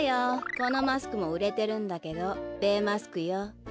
このマスクもうれてるんだけどべマスクよべ。